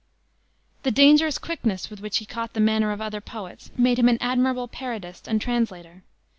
The dangerous quickness with which he caught the manner of other poets made him an admirable parodist and translator.